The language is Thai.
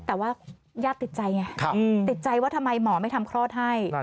แต่ว่าญาติติดใจไงติดใจว่าทำไมหมอไม่ทำคลอดให้